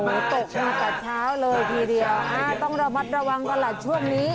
โอ้โหตกมากับเช้าเลยทีเดียวฮะต้องระมัดระวังตลาดช่วงนี้